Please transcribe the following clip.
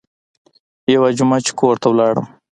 يوه جمعه چې کور ته ولاړم.